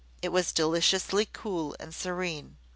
It was deliciously cool and serene.